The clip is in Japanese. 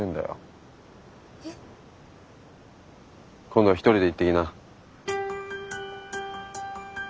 今度は一人で行ってきな。